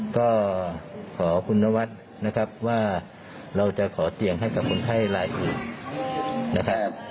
ก็ขอคุณนวัดนะครับว่าเราจะขอเตียงให้กับคนไข้รายอื่นนะครับ